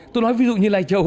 tôi nói ví dụ như lây châu